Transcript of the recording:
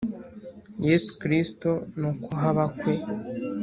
Yesu Kristo no kuhaba kwe